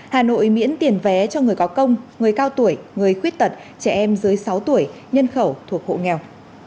hà nội miễn tiền vé cho người có công người cao tuổi người khuyết tật trẻ em dưới sáu tuổi nhân khẩu thuộc hộ nghèo